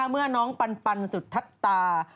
เมื่อน้องปันสุทัศตา